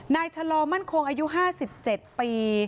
ชะลอมั่นคงอายุ๕๗ปี